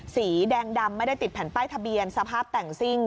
สีแดงดำไม่ได้ติดแผ่นป้ายทะเบียนสภาพแต่งซิ่ง